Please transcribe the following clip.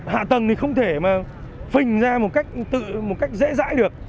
hạ tầng thì không thể mà phình ra một cách tự một cách dễ dãi được